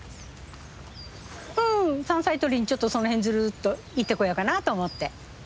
ん山菜とりにちょっとその辺ずるっと行ってこようかなと思って。